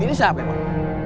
ini siapa pak